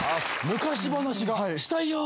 昔話がしたいよう。